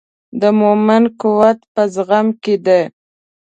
د مؤمن قوت په زغم کې دی.